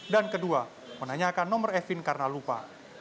dan kedua menanyakan nomor efin karena lupa